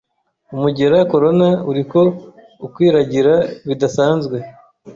Umugera corona uriko ukwiragira bidasanzwe